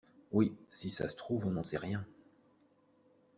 Oui, si ça se trouve on n'en sait rien.